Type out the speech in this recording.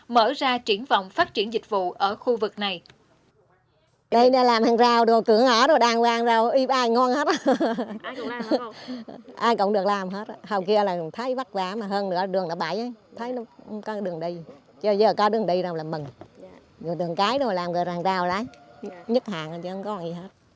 mở ra triển vọng phát triển dịch vụ ở khu vực này